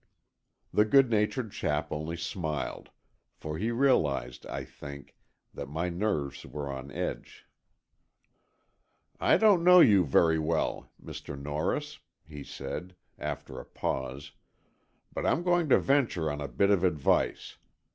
The good natured chap only smiled, for he realized, I think, that my nerves were on edge. "I don't know you very well, Mr. Norris," he said, after a pause, "but I'm going to venture on a bit of advice.